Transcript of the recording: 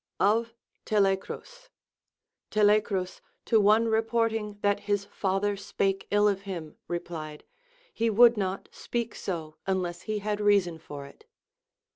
Of Telecrus. Telecrus, to one reporting that his father spake ill of him, replied. He would not speak so unless he had reason for it.